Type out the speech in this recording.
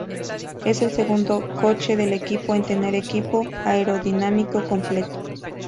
Es el segundo coche del equipo en tener equipo aerodinámico completo.